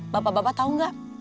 bapak bapak tau gak